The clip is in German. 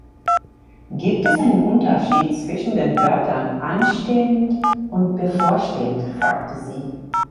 Gibt es einen Unterschied zwischen den Wörtern „anstehend“ und „bevorstehend“? fragte sie